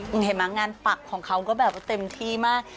คุณเห็นไหมงานปักของเขาก็แบบว่าเต็มที่มาก